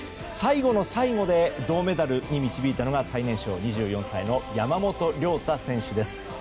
最後の最後で銅メダルに導いたのは最年少２４歳の山本涼太選手です。